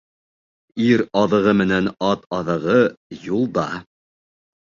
Ир аҙығы менән ат аҙығы юлда.